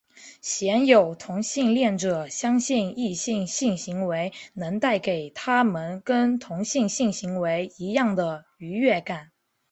鲜有同性恋者相信异性性行为能带给他们跟同性性行为一样的愉悦感。